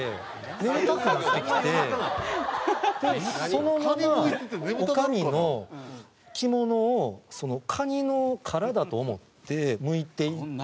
そのまま女将の着物を蟹の殻だと思ってむいていった。